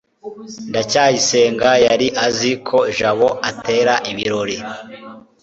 ndacyayisenga yari azi ko jabo atera ibirori